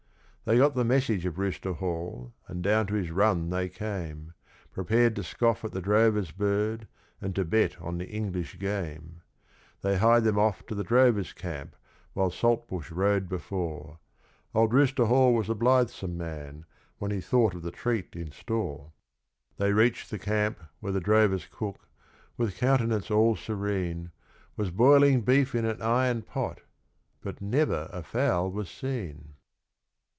They got the message of Rooster Hall, and down to his run they came, Prepared to scoff at the drover's bird, and to bet on the English Game; They hied them off to the drover's camp, while Saltbush rode before Old Rooster Hall was a blithesome man, when he thought of the treat in store. They reached the camp, where the drover's cook, with countenance all serene, Was boiling beef in an iron pot, but never a fowl was seen.